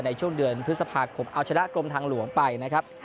ในช่วงเดือนพฤษภาคมเอาชนะกรมทางหลวงไปนะครับ